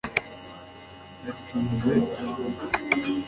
Yatinze ishuri